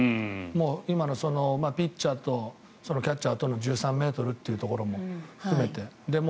今のピッチャーとキャッチャーとの１３ｍというところも含めて。